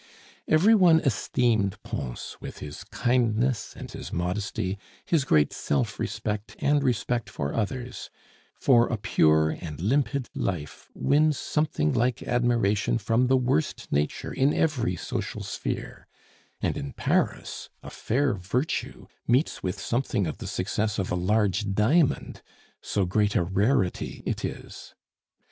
Every one esteemed Pons with his kindness and his modesty, his great self respect and respect for others; for a pure and limpid life wins something like admiration from the worst nature in every social sphere, and in Paris a fair virtue meets with something of the success of a large diamond, so great a rarity it is.